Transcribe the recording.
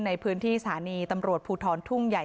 ในพื้นที่สถานีตำรวจภูทรทุ่งใหญ่